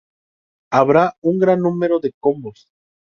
Habrá un gran número de combos.